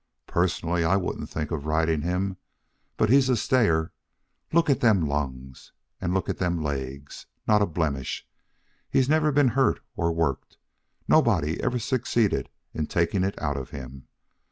Personally, I wouldn't think of riding him. But he's a stayer. Look at them lungs. And look at them legs. Not a blemish. He's never been hurt or worked. Nobody ever succeeded in taking it out of him.